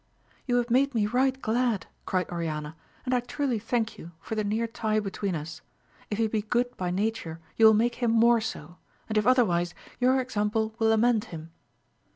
You have made me right glad, cried Oriana, and I truly thank you, for the near tie between us : if he be good by nature, you will make him more so : and if otherwise, your example will amend him.